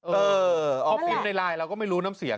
โปรแอปในไลน์เราก็ไม่รู้น๊อมเสียง